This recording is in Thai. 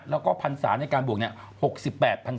แล้วก็พันศาในการบวกเนี่ย